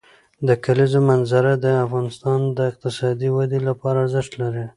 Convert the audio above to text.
د کلیزو منظره د افغانستان د اقتصادي ودې لپاره ارزښت لري.